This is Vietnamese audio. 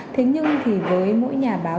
thế nhưng thì với mỗi nhà báo